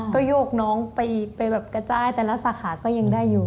ก็โยกน้องไปแบบกระจายแต่ละสาขาก็ยังได้อยู่